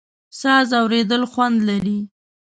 ساز اورېدل خوند لري.